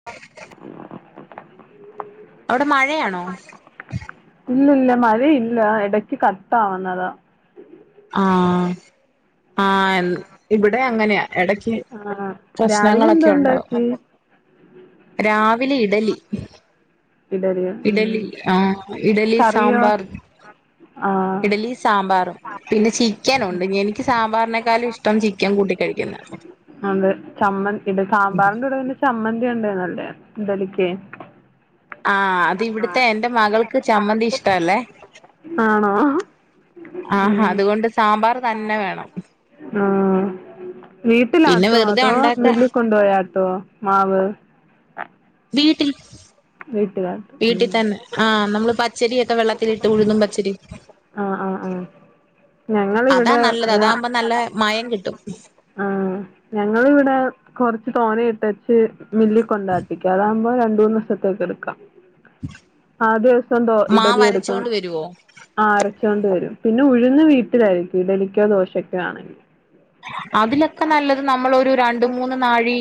[inaudible] അവിടെ മഴയാണോ ഇല്ലില്ല മഴയില്ല എടക്ക് കട്ടാവുന്നതാ ആഹ് ആഹ് ഇവിടെയങ്ങനെയാ എടക്ക് ആ രാവിലെ എന്തോ പ്രശ്നങ്ങളൊക്കെയ്ണ്ടാവും ഉണ്ടാക്കി രാവിലെ ഇഡലി ഇഡലി ഉം ഇഡലി ആഹ് ഇഡലി കറിയോ സാമ്പാർ ആ ഇഡലി സാമ്പാറും പിന്നെ ചിക്കനുണ്ട് ഉം എനിക്ക് സാമ്പാറിനേക്കാളുഇഷ്ടം ചി ക്കൻ കൂട്ടി കഴിക്കുന്ന അതെ ചമ്മൻ ഇഡ സാമ്പാറിന്റൂടെ ങ്ങനെ ചമ്മന്തിയുണ്ടേ നല്ലയാ ഇഡലിക്കേ ആഹ് അത് ഇവിടുത്തെ എന്റെ മകൾക്ക് ചമ്മന്തി ഇഷ്ടഅല്ലേ ആണോ ആഹ് ഉം അതുകൊണ്ട് സാമ്പാർ തന്നെ വേണം പിന്നെ വീട്ടിലാട്ടു വെറുതെ അതോ ഉണ്ടാക്ക മില്ലി കൊണ്ടുപോയാട്ടുഓ മാവ് വീട്ടിൽ വീട്ടിലാട്ടും വീട്ടിതന്നെ ആഹ് ഉം നമ്മള് പച്ചരിയൊക്കെ വെള്ളത്തിലിട്ട് ഉഴുന്നും പച്ചരി ആഹ് ആഹ് ആഹ് അതാ ഞങ്ങളിവിടെ നല്ലത് അതാകുമ്പോ നല്ല മയം കിട്ടും ആഹ് ഞങ്ങളിവിടെ കൊറച്ച് തോനെ ഇട്ടേച്ച് മില്ലിക്കൊണ്ടാട്ടിക്കും അതാ മ്പൊ രണ്ട്മൂന്ന് ദിവസത്തേക്കെടുക്കാം ആദ്യദിവസം ദോ മാ ഇഡലിയെട്ക്കും വരച്ചോണ്ട് വരുവോ ആരച്ചോണ്ട് വരും പിന്നെ ഉഴ്ന്ന് വീട്ടിലരക്കും ഇഡലിക്കോ ദോശക്കോ ആണെങ്ങ അതിലൊക്കെ നല്ലത് നമ്മളൊരു രണ്ട്മൂന്ന് നാഴി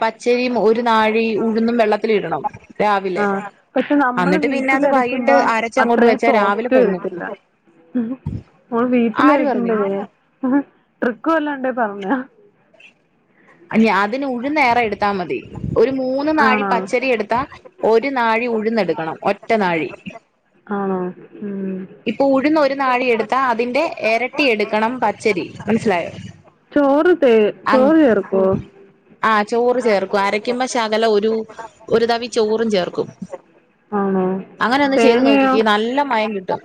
പ ച്ചരിം ഒരു നാഴി ഉഴുന്നും വെള്ളത്തിലിടണം ആ രാവിലെ അന്നിട്ട് പിന്നത് വൈകി പ്പം അത്രയും സോഫ്റ്റ് കിട്ടില്ല നമ്മള് ആര് പറഞ്ഞ് വീട്ടിലരിക്കുന്നതെങ്ങനെയാ ട്രിക്ക് വല്ലോം ഉണ്ടേ പറഞ്ഞ്താ അതിന് ഉഴ്ന്നേറെ എട്ത്താ മതി ഒരു മൂന്ന് നാഴി ആണോ പച്ചരിയെട്ത്താ ഒരു നാഴി ഉഴുന്നെട്ക്കണം ഒറ്റ നാഴി ആണോ ഉം ഇപ്പൊ ഉഴന്നൊരു നാഴിയെട്ത്താ അതിന്റെ എരട്ടിയെട്ക്കണം പച്ചരി മനസ്സിലായോ ചോറ്ത്തെ ചോറ് ചേർക്കോ ആഹ് ചോറ് ചേർക്കും അരക്കുമ്പ ശകലം ഒരു ഒരു തവി ചോറും ചേർക്കും ആണാ അങ്ങനെ ഒന്ന് ചെയ്ത് നോക്കിക്കേ നല്ല മയം കിട്ടും.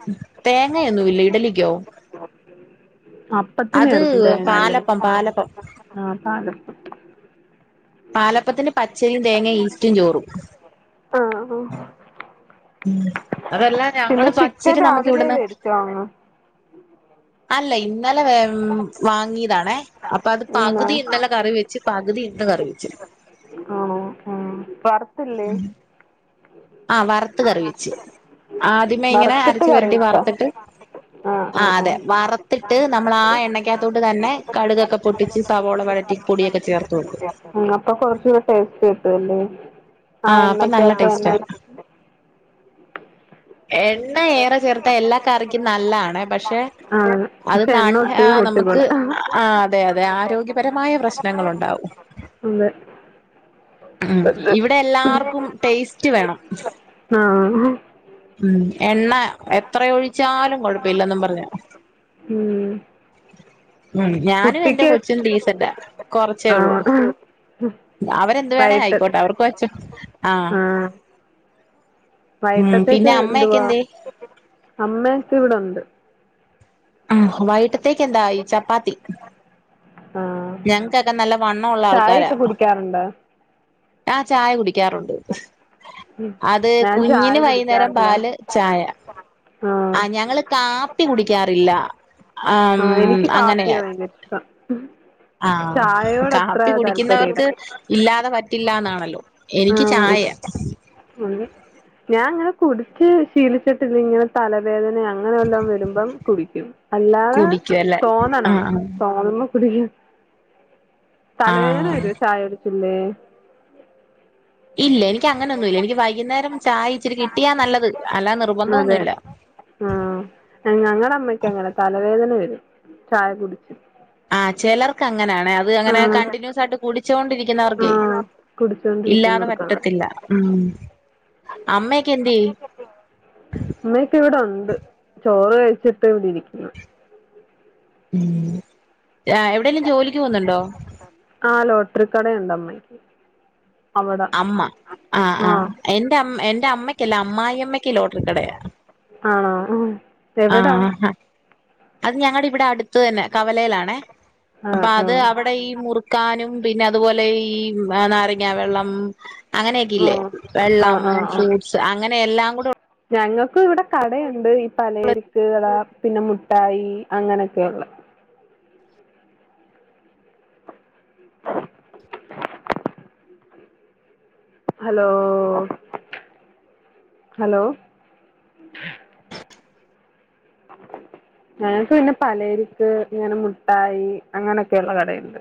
തേങ്ങയൊന്നു ഇല്ലേ ഇഡലിക്കോ? അപ്പത്തിന് അത് പാലപ്പം പാലപ്പം. ആഹ് പാലപ്പം പാലപ്പത്തിന് പച്ചരിയും തേങ്ങയും ഈസ്റ്റും ചോറും. ആ ആ ഉ അതെല്ലാം പിന്നെ ഞങ്ങള് ചിക്കൻ പച്ചരി നമ്മുക്ക് രാവിലെ ഇവിടുന്ന്. വേടിച്ചോ അങ്ങ് അല്ല ഇന്നലെ വാങ്ങിയതാണേ. അപ്പൊ അത് ഉമ്മ പകുതി ഇന്നല്ലെ കറി വെച്ച് പകുതി ഇന്ന് കറി വെച്ച്. ആഹ് ആഹ് വറ്ത്തില്ലേ? ആ വറുത്ത് കറി വെച്ച് ആദ്യമേ ഇങ്ങനെ വറ്ത്തിട്ട് അരച്ച് കറി പെരട്ടി വെച്ച വറുത്തിട്ട് ആഹ് ആഹ് ആ ത്തിട്ട് നമ്മൾ ആ എണ്ണക്കകത്തോട്ട് തന്നെ കടുകൊക്കെ പൊട്ടിച്ച് സവോള വഴറ്റി പൊടിയൊക്കെ ചേർത്ത് കൊടുക്കും ഉം അപ്പൊ കൊറച്ചുടെ ടേസ്റ്റ് കിട്ടുംല്ലേ ആ അപ്പൊ നല്ല എണ്ണക്കകത്തെ ടേസ്റ്റാ എണ്ണ എണ്ണ ഏറെ ചേർത്ത എല്ലാ കറിക്കും നല്ലാണെ പക്ഷെ ആ അത് പക്ഷെ എണ്ണ നാണ് ഒത്തിരി നമുക്ക് കൂട്ടിക്കൂടാ ആ അതെ അതെ ആരോഗ്യപരമായ പ്രശ്നങ്ങൾ ഉണ്ടാവും അതെ ഉം പക്ഷെ ഇവിടെ എല്ലാർക്കും ടേസ്റ്റ് വേണം ആഹ് ഉം എണ്ണ എത്ര ഒഴിച്ചാലും കൊഴപ്പില്ലെന്നും പറഞ് ഉം ഞാനും എന്റെ കുട്ടിക്ക് കൊച്ചും ഡീസെന്റ കൊറച്ചേ ആ ഉള്ളൂ വൈകിട്ട് അവരെന്തു വേണേ ആയിക്കോട്ടെ അവർക്ക് വെച്ചു ആഹ് ഉം വയിട്ടത്തേക്ക് പിന്നെ അമ്മയൊക്കെ എന്തുവാ എന്തേ അമ്മൊ യൊക്കെ ഇവിടൊണ്ട് ആ വൈട്ടത്തേക്ക് എന്താ ഈ ചപ്പാത്തി ആ ഞങ്ങക്കൊക്കെ നല്ല വണ്ണം ഉള്ള ആൾക്കാരാ ചായയൊക്കെ കുടിക്കാറുണ്ടോ ആ ചായ കുടിക്കാറുണ്ട് അത് ഞാൻ ചായ കുഞ്ഞിന് വൈകുന്നേരം കുടിക്കാറില്ല പാല് ചായ ആ ഞങ്ങള് കാപ്പി കുടിക്കാറില്ല ആം ആഹ് എനിക്ക് കാപ്പിയ ഭയങ്കര ഇഷ്ടം ആഹ് ചായയോട് അത്ര കാപ്പി കുടിക്കുന്നവർക്ക് ഇല്ലാതെ പറ്റില്ലാന്നാണല്ലോ എനിക്ക് ആഹ് ചായ ഞാൻ ഇങ്ങനെ കുടിച്ച് ശീലിച്ചിട്ടില്ല ഇങ്ങനെ തലവേദന അങ്ങനെ വല്ലോം വരുമ്പ കുടിക്കും അല്ലാതെ കുടിക്കുവല്ലേ ആ തോന്നണം തോന്ന് മ്പ കുടികും ആ തലവേദന വരുവ ചായ കുടികുമ്പേ ഇല്ല എനിക്ക് അങ്ങനെയൊന്നുല്ല എനിക്ക് വൈകുന്നേരം ചായ ഇച്ചിരി കിട്ടിയാ നല്ലത് അല്ലാ നിർബന്ധം ഒന്നുല്ല ആ ഞങ്ങളുടെ അമ്മയ്ക്ക് അങ്ങന തലവേദന വരും ചായ കുടിച്ച് ആ ചിലർക്ക് അങ്ങനാണെ അത് അങ്ങന ആഹ് കണ്ടിന്യൂസ് ആയിട്ട് കൂടിച്ചോണ്ടിരി കുന്ന വർക്കെ ആഹ് ഇല്ലാതെ കുടിച്ചോണ്ടിരിക്കുന്നോട്ത്താണ് പറ്റത്തില്ല ഉം അമ്മയൊക്കെ എന്ത്യേ ഉമ്മയൊക്കെ ഇവിടെ ഉണ്ട് ചോറ് കഴിച്ചിട്ട് ഇവിടെ ഇരിക്കുന്നു ഉം എവിടെയെങ്കിലും ജോലിക്ക് പോന്നുന്നുണ്ടോ? ആഹ് ലോട്ടറി കടയുണ്ട് അമ്മയ്ക്ക് അവിടെ അമ്മ ആഹ് ആഹ് എന്റെ അമ്മ എന്റെ അമ്മയ്ക്കല്ല അമ്മായിയമ്മയ്ക്ക് ലോട്ടറിക്കടയാ ആണോ എവിടാ അത് ഞങ്ങടെ ഇവിടെ അടുത്ത് തന്നെ കവലയിലാണേ അപ്പൊ ആഹ് അത് അവ ആഹ് അവിടെ ഈ മുറുക്കാനും പിന്നെ അതുപോലെ ഈ നാരങ്ങ വെള്ളം അങ്ങനെയൊക്കെ ഇല്ലേ ആഹ് ആഹ് വെള്ളം ഫ്രൂട്ട്സ് അങ്ങനെ എല്ലാം കൂടെ ഞങ്ങൾക്ക് ഇവിടെ കടയുണ്ട് ഈ പല ചെരക്ക്കട പിന്നെ മുട്ടായി അങ്ങനെയൊക്കെയ ഉള്ള [unintelligible] ഹലോ ഹലോ [unintelligible] ഞങ്ങക്ക് പിന്നെ പല ചെരക്ക് ഇങ്ങനെ മുട്ടായി അങ്ങനെയൊക്കെയുള്ള കടയുണ്ട്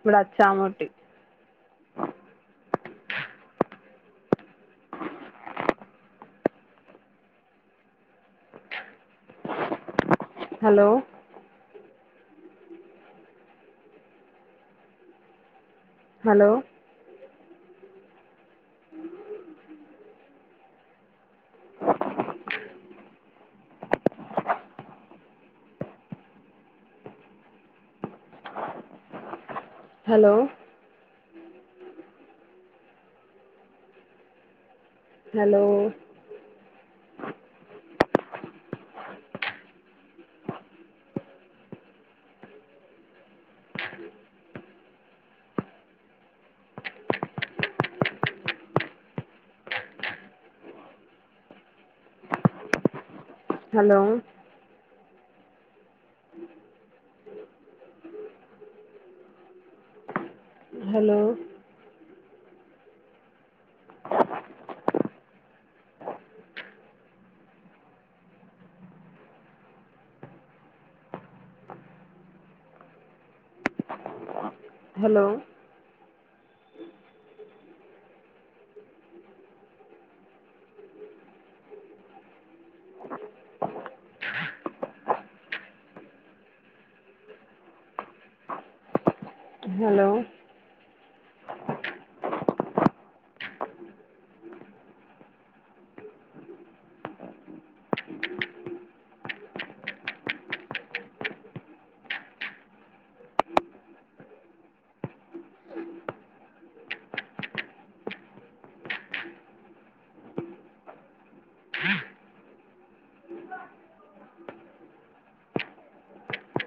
ഇവിടെ അച്ചാമൂട്ടി ആ hello hello [unintelligible] hello hello hello hello hello hello